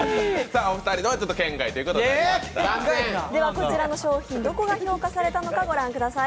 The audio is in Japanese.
こちらの商品、どこが評価されたのか御覧ください。